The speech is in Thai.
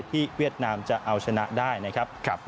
เวียดนามจะเอาชนะได้นะครับ